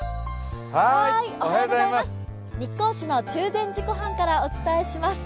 日光市の中禅寺湖畔からお伝えします。